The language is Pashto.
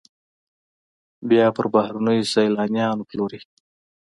بیا یې پر بهرنیو سیلانیانو پلوري